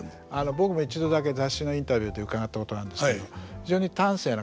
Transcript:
僕も一度だけ雑誌のインタビューで伺ったことがあるんですけど非常に端正な方ですね。